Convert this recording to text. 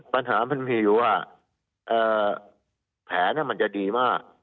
ปัญหาคือแผนมันจะโดยดีมาก